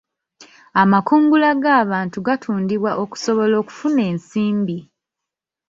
Amakungula g'abantu gaatundibwa okusobola okufuna ensimbi.